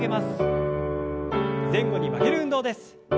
前後に曲げる運動です。